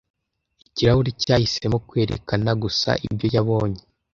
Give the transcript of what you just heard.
Ikirahuri cyahisemo kwerekana gusa ibyo yabonye